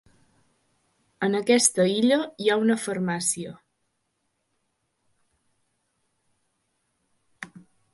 En aquesta illa hi ha una farmàcia.